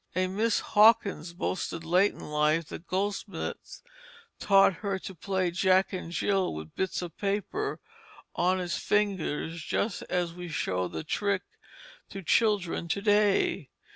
A Miss Hawkins boasted late in life that Goldsmith taught her to play Jack and Jill with bits of paper on his fingers just as we show the trick to children to day.